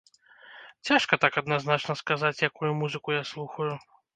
Цяжка так адназначна сказаць, якую музыку я слухаю.